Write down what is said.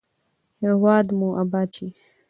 هیواد مو اباد شي.